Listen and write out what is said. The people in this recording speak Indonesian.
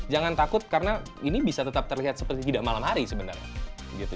jangan takut karena ini bisa tetap terlihat seperti tidak malam hari sebenarnya